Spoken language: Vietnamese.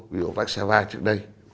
ví dụ vác sa va trước đây